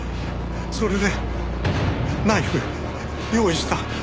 それでナイフ用意した。